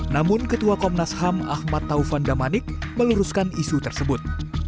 namun ketua komnas ham ahmad taufan damanik meluruskan isu tersebut